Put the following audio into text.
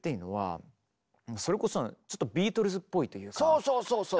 そうそうそうそう！